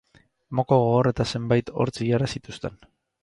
Moko gogor eta zenbait hortz-ilara zituzten.